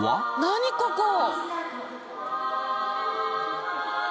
何ここ？